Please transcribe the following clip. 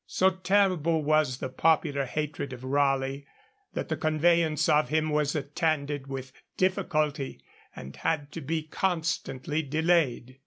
So terrible was the popular hatred of Raleigh, that the conveyance of him was attended with difficulty, and had to be constantly delayed.